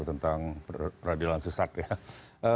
tentang peradilan sesat ya